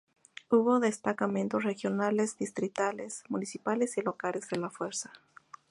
Hubo destacamentos regionales, distritales, municipales y locales de la fuerza.